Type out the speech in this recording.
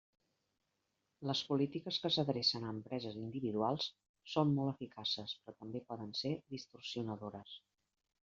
Les polítiques que s'adrecen a empreses individuals són molt eficaces, però també poden ser distorsionadores.